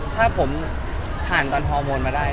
ถ้าผมผ่านตอนฮอลมอนท์มาได้